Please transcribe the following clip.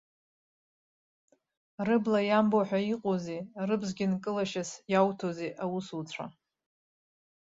Рыбла иамбо ҳәа иҟоузеи, рыбзгьы нкылашьас иауҭозеи аусуцәа!